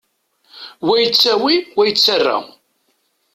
Wa yettawi, wa yettarra.